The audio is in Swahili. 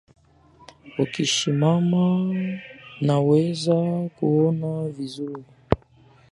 Ukisimama naweza kuona vizuri